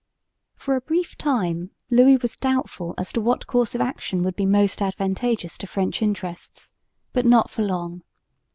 For a brief time Louis was doubtful as to what course of action would be most advantageous to French interests, but not for long.